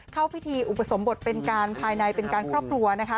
เข้าพิธีอุปสมบทเป็นการภายในเป็นการครอบครัวนะคะ